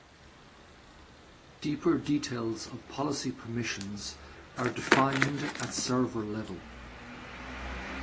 Deeper details of policy permissions are defined at server level.